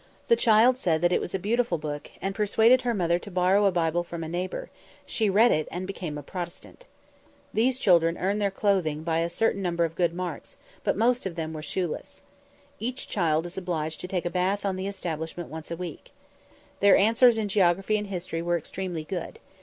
The child said that it was a beautiful book, and persuaded her mother to borrow a Bible from a neighbour; she read it, and became a Protestant. These children earn their clothing by a certain number of good marks, but most of them were shoeless. Each child is obliged to take a bath on the establishment once a week. Their answers in geography and history were extremely good.